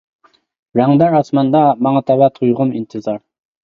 رەڭدار ئاسمىنىدا، ماڭا تەۋە تۇيغۇم ئىنتىزار.